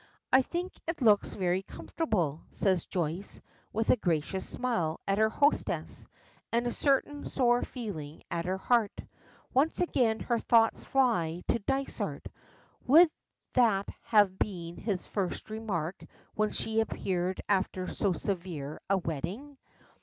"I think it looks very comfortable," says Joyce, with a gracious smile at her hostess, and a certain sore feeling at her heart. Once again her thoughts fly to Dysart. Would that have been his first remark when she appeared after so severe a wetting?